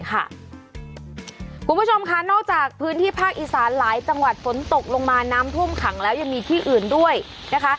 คุณผู้ชมค่ะนอกจากพื้นที่ภาคอีสานหลายจังหวัดฝนตกลงมาน้ำท่วมขังแล้วยังมีที่อื่นด้วยนะคะ